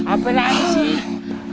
apa lagi sih